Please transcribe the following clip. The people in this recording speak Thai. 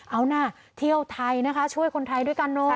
เอานะเที่ยวไทยนะคะช่วยคนไทยด้วยกันเนอะ